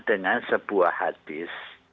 dengan sebuah hadis